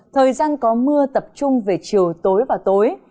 thời gian có mưa tập trung về chiều tối và tối